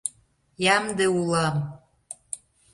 — Ямде улам!